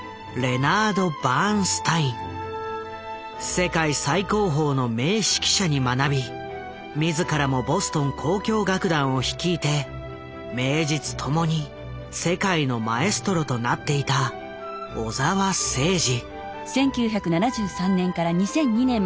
世界最高峰の名指揮者に学び自らもボストン交響楽団を率いて名実ともに世界のマエストロとなっていた小澤征爾。